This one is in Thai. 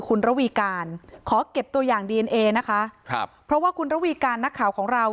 คุณระวีการขอเก็บตัวอย่างดีเอนเอนะคะครับเพราะว่าคุณระวีการนักข่าวของเรา